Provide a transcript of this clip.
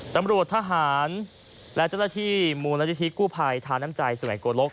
ตำรวจทหารและเจ้าหน้าที่มูลนิธิกู้ภัยทาน้ำใจสมัยโกลก